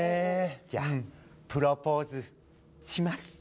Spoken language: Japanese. じゃあプロポーズします